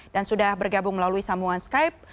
dan sudah bergabung melalui sambungan skype